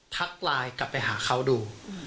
ทักไลน์กลับไปหาเขาดู